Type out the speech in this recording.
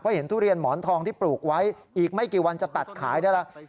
เห็นทุเรียนหมอนทองที่ปลูกไว้อีกไม่กี่วันจะตัดขายได้แล้ว